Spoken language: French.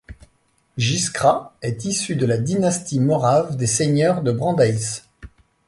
Jiskra est issu de la dynastie morave des seigneurs de Brandeis.